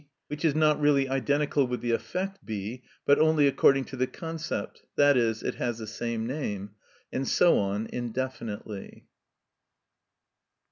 (which is not really identical with the effect B., but only according to the concept, i.e., it has the same name), and so on indefinitely.